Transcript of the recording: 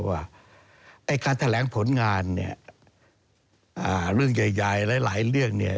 ว่าไอ้การแถลงผลงานเนี่ยเรื่องใหญ่หลายเรื่องเนี่ย